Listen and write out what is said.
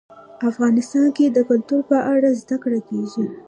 افغانستان کې د کلتور په اړه زده کړه کېږي.